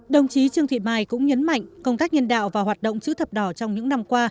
đồng chí trương thị mai cũng nhấn mạnh công tác nhân đạo và hoạt động chữ thập đỏ trong những năm qua